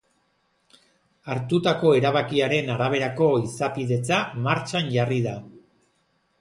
Hartutako erabakiaren araberako izapidetza martxan jarri da.